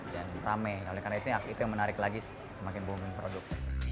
dan rame karena itu yang menarik lagi semakin bungking produk